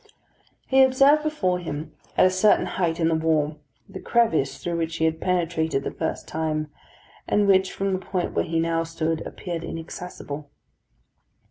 He observed before him, at a certain height in the wall, the crevice through which he had penetrated the first time, and which, from the point where he now stood, appeared inaccessible.